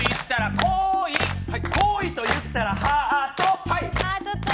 恋といったらハート。